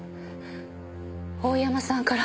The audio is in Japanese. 大山さんから。